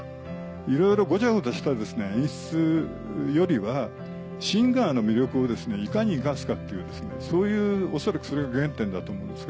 いろいろごちゃごちゃした演出よりはシンガーの魅力をいかに生かすかっていうそういう恐らくそれが原点だと思うんですが。